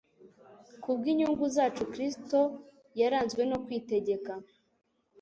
Kubw’inyungu zacu, Kristo yaranzwe no kwitegeka